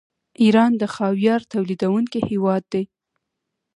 ایران د خاویار تولیدونکی هیواد دی.